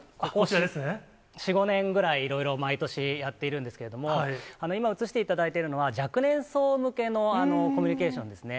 ４、５年ぐらい、いろいろ毎年やっているんですけれども、今、写していただいているのは、若年層向けのコミュニケーションですね。